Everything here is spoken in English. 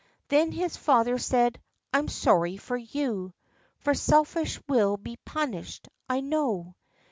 Then his father said, "I'm sorry for you; For selfishness will be punished, I know."